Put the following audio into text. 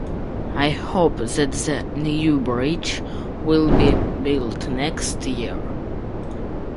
I hope that the new bridge will be built next year.